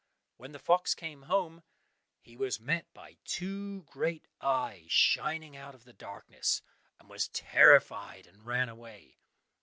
When the fox came home, he was met by two great eyes shining out of the darkness, and was terrified and ran away.